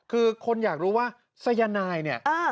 คือคนอยากรู้ว่าสยนายเนี่ย